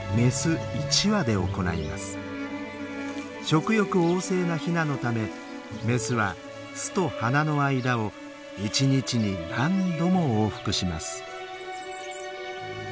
食欲旺盛なヒナのためメスは巣と花の間を一日に何度も往復します。